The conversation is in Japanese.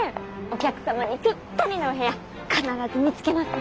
お客様にぴったりのお部屋必ず見つけます。